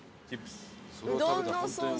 うどんのソース。